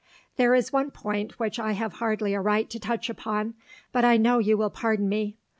There is one point which I have hardly a right to touch upon, but I know you will pardon me.